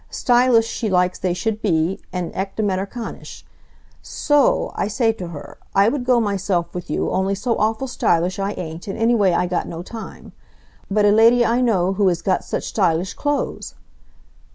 Stylish she likes they should be, and echt Amerikanisch. So o o o, I say to her, I would go myself with you, only so awful stylish I ain't, and anyway I got no time. But a lady I know who is got such stylish clothes!"